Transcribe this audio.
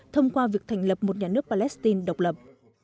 thông qua việc thành lập một nhà nước palestine độc lập